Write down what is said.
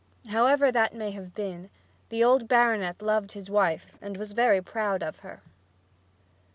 However that may have been, the old baronet loved his wife and was very proud of her.